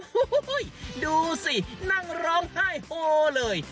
โอ้โหดูสินั่งร้องไห้โฮเลย